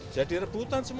jadi rebutan semua